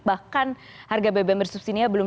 bahkan harga bbm bersubsidinya belum